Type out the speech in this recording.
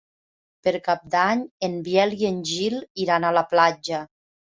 Per Cap d'Any en Biel i en Gil iran a la platja.